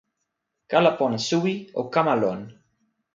kala pona suwi o kama lon!